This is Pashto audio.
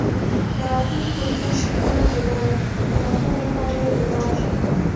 په راتلونکو څو شېبو کې به د ټاکنو پایلې اعلان شي.